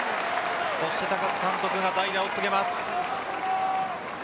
そして高津監督が代打を告げます。